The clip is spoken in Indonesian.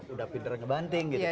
udah pinter ngebanting gitu